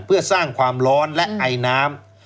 เพื่อสร้างความร้อนและไอน้ำ